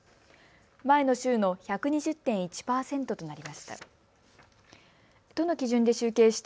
前の週の１２０．１％となりました。